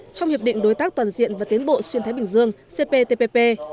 trong hiệp định đối tác toàn diện và tiến bộ xuyên thái bình dương cptpp